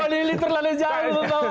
poli ini terlalu jauh bapak wali